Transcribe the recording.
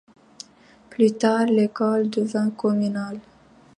Plus tard, l’école devint communale.